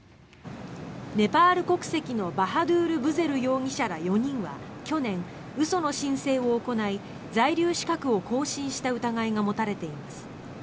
ネパール国籍のバハドゥール・ブゼル容疑者ら４人は去年、嘘の申請を行い在留資格を更新した疑いが持たれています。